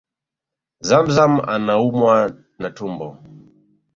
ZamZam anaumwa na tumbo